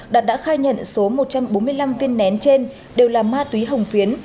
đạt đã khai nhận số một trăm bốn mươi năm viên nén trên đều là ma túy hồng phiến